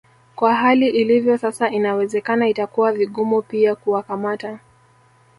Kwa hali ilivyo sasa inawezekana itakuwa vigumu pia kuwakamata